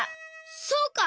そうか！